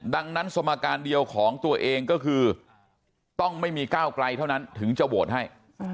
ดังนั้นสมการเดียวของตัวเองก็คือต้องไม่มีก้าวไกลเท่านั้นถึงจะโหวตให้